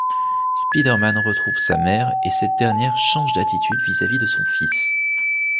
Spider-Man retrouve sa mère et cette dernière change d'attitude vis-à-vis de son fils.